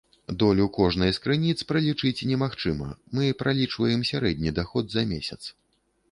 Долю кожнай з крыніц пралічыць немагчыма, мы пралічваем сярэдні даход за месяц.